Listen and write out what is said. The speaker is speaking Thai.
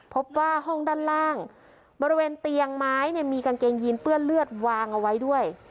พบว่าห้องด้านล่างบริเวณเตียงไม้เนี่ยมีกางเกงยีนเปื้อนเลือดวางเอาไว้ด้วย